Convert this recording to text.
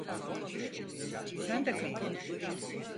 Sen de katıl.